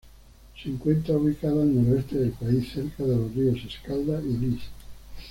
Se encuentra ubicada al noroeste del país, cerca de los ríos Escalda y Lys.